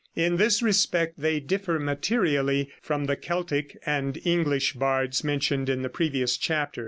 In this respect they differ materially from the Celtic and English bards mentioned in the previous chapter.